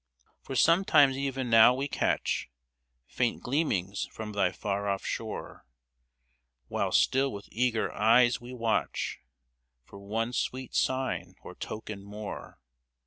For sometimes even now we catch Faint gleamings from thy far off shore, While still with eager eyes we watch For one sweet sign or token more.